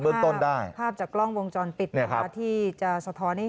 เรื่องต้นได้ภาพจากกล้องวงจรปิดนะคะที่จะสะท้อนให้